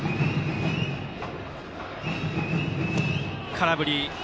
空振り。